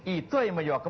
itu yang menyebabkan